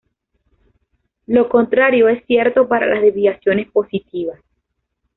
Lo contrario es cierto para las desviaciones positivas.